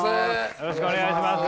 よろしくお願いします。